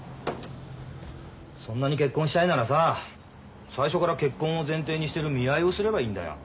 そんなに結婚したいならさ最初から結婚を前提にしてる見合いをすればいいんだよ。